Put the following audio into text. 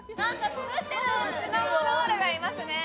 あっシナモロールがいますね